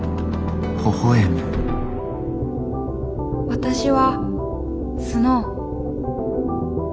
私はスノウ。